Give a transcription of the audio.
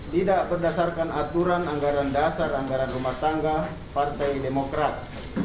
tidak berdasarkan aturan anggaran dasar anggaran rumah tangga partai demokrat